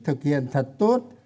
thực hiện thật tốt